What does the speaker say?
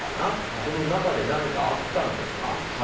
その中で何かあったんですか？